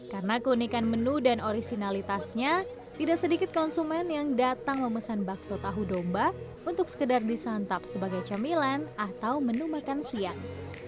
karena keunikan menu dan originalitasnya tidak sedikit konsumen yang datang memesan bakso tahu domba untuk sekedar disantap sebagai camilan atau menu makan siang